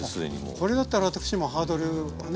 これだったら私もハードルはね